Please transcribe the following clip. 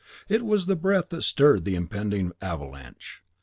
It was the breath that stirred the impending avalanche.